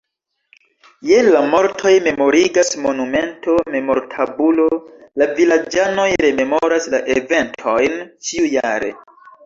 Je la mortoj memorigas monumento, memortabulo, la vilaĝanoj rememoras la eventojn ĉiujare.